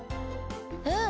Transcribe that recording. うん。